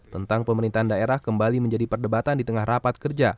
tentang pemerintahan daerah kembali menjadi perdebatan di tengah rapat kerja